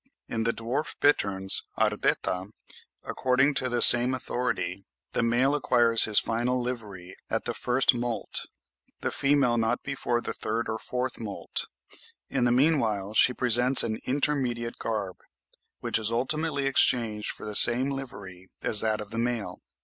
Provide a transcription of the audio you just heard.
In the dwarf bitterns (Ardetta), according to the same authority, "the male acquires his final livery at the first moult, the female not before the third or fourth moult; in the meanwhile she presents an intermediate garb, which is ultimately exchanged for the same livery as that of the male."